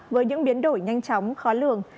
với những biến đổi nhanh chóng khó lường